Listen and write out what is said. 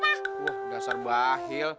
wah dasar bahil